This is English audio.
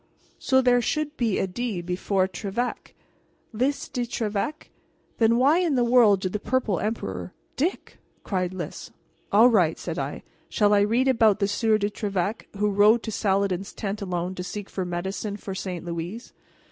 So there should be a de before Trevec? Lys de Trevec? Then why in the world did the Purple Emperor " "Dick!" cried Lys. "All right," said I. "Shall I read about the Sieur de Trevec who rode to Saladin's tent alone to seek for medicine for St. Louise?